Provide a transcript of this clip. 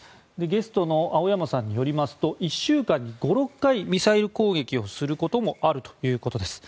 ゲストの青山さんによりますと１週間に５６回ミサイル攻撃をすることもあるということです。